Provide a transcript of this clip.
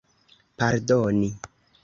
pardoni